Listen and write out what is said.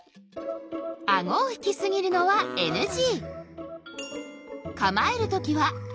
アゴを引きすぎるのはＮＧ！